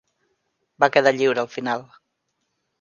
Va quedar lliure al final.